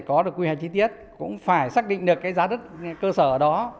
có được quy hoạch chi tiết cũng phải xác định được cái giá đất cơ sở đó